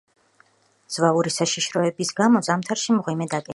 ზვავური საშიშროების გამო ზამთარში მღვიმე დაკეტილია.